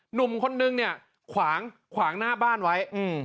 หนุ่มคนนึงเนี่ยขวางขวางหน้าบ้านไว้อืม